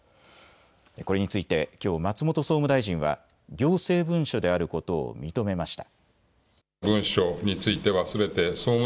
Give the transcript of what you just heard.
これについてきょう松本総務大臣は行政文書であることを認めました。